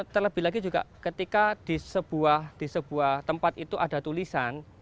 terlebih lagi juga ketika di sebuah tempat itu ada tulisan